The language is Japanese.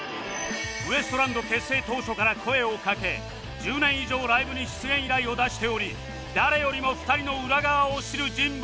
ウエストランド結成当初から声をかけ１０年以上ライブに出演依頼を出しており誰よりも２人の裏側を知る人物